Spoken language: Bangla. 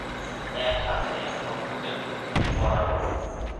এক হাতে ভক্তদের প্রতি বরাভয়।